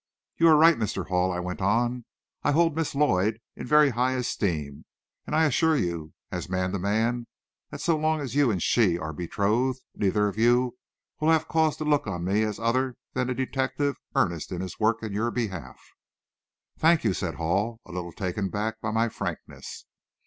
"You are right, Mr. Hall," I went on. "I hold Miss Lloyd in very high esteem, and I assure you, as man to man, that so long as you and she are betrothed, neither of you will have cause to look on me as other than a detective earnest in his work in your behalf." "Thank you," said Hall, a little taken aback by my frankness.